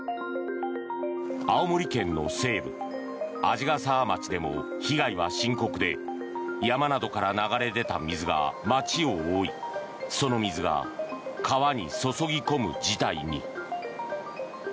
青森県の西部、鰺ヶ沢町でも被害は深刻で山などから流れ出た水が町を覆いその水が川に注ぎ込む事態に。